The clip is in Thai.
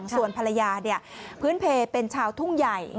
ส่วนภรรยาพื้นเพลเป็นชาวทุ่งใหญ่